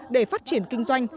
để phát triển kinh doanh